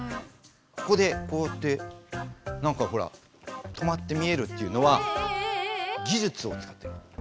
ここでこうやってなんかほら止まって見えるっていうのは技術を使ってる。